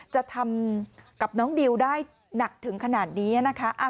จะทำกับน้องดิวได้หนักถึงขนาดนี้นะคะ